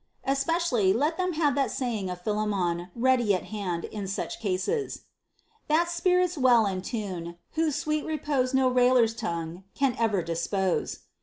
Es pecially, let them have that saying of Philemon ready at hand in such cases : That spirit's well in tune, whose sweet repose No railer's tongue can ever discompose.